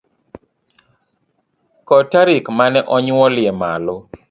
kod tarik ma ne onyuolie malo